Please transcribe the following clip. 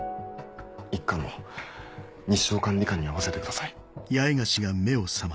一課の西尾管理官に会わせてください。